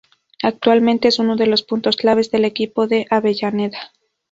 Actualmente es uno de los puntos claves del equipo de Avellaneda.